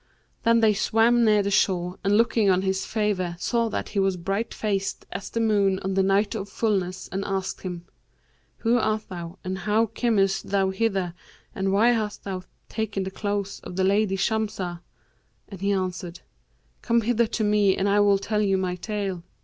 Then they swam near the shore and looking on his favour saw that he was bright faced as the moon on the night of fullness and asked him, 'Who art thou and how camest thou hither and why hast thou taken the clothes of the lady Shamsah?'; and he answered, 'Come hither to me and I will tell you my tale.'